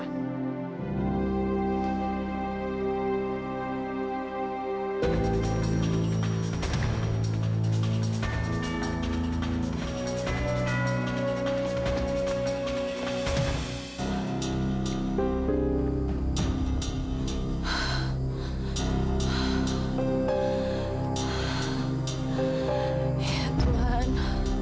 aku mau pergi dulu